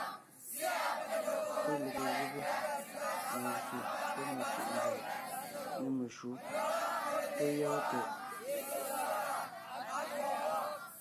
Té lege gùbé (melyè pɔ́ mecʉ̀ʼ nzèm) nê meshǔ... pɔ́ gyɔ́ɔn tɛʼ!